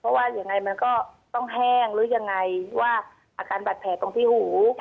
เพราะว่ายังไงมันก็ต้องแห้งหรือยังไงว่าอาการบาดแผลตรงที่หู